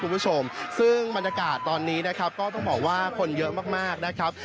เพราะว่าคนเยอะมากนะครับ